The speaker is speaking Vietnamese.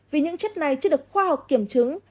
vì những chất này chưa được khoa học kiểm chứng